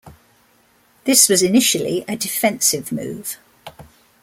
This was initially a defensive move.